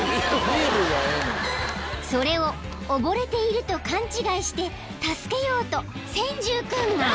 ［それを溺れていると勘違いして助けようとセンジュウ君が］